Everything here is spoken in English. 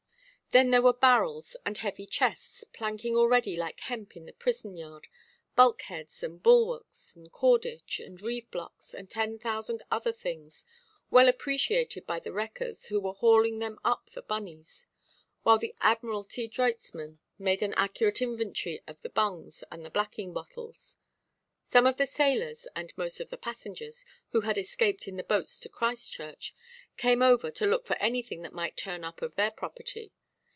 Then there were barrels, and heavy chests, planking already like hemp in the prison–yard, bulkheads, and bulwarks, and cordage, and reeve–blocks, and ten thousand other things, well appreciated by the wreckers, who were hauling them up the bunneys; while the Admiralty droitsmen made an accurate inventory of the bungs and the blacking bottles. Some of the sailors, and most of the passengers, who had escaped in the boats to Christchurch, came over to look for anything that might turn up of their property.